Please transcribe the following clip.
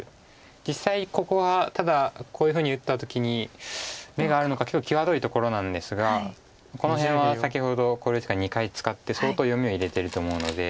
実際ここはただこういうふうに打った時に眼があるのか結構際どいところなんですがこの辺は先ほど考慮時間２回使って相当読みは入れてると思うので。